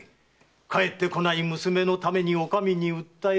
還ってこない娘のためにお上に訴え出るのか